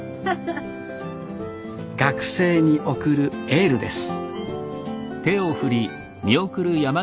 学生に送るエールです